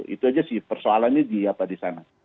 itu aja sih persoalannya di sana